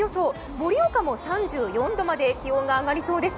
盛岡も３４度まで気温が上がりそうです。